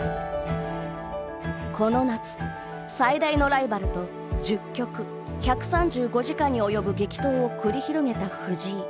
この夏、最大のライバルと１０局１３５時間に及ぶ激闘を繰り広げた藤井。